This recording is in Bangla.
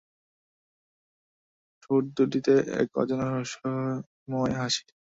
ঠোঁটদুটিতে এক অজানা রহস্যময় হাসি।